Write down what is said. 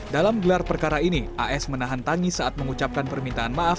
dalam gelar perkara ini as menahan tangis saat mengucapkan permintaan maaf